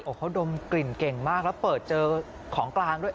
เขาดมกลิ่นเก่งมากแล้วเปิดเจอของกลางด้วย